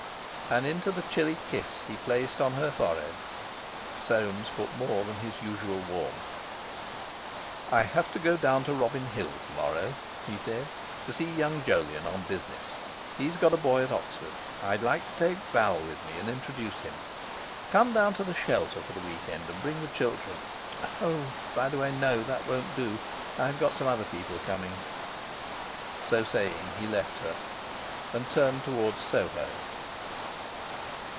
And into the chilly kiss he placed on her forehead, Soames put more than his usual warmth. "I have to go down to Robin Hill to morrow," he said, "to see young Jolyon on business. He's got a boy at Oxford. I'd like to take Val with me and introduce him. Come down to 'The Shelter' for the week end and bring the children. Oh! by the way, no, that won't do; I've got some other people coming." So saying, he left her and turned towards Soho.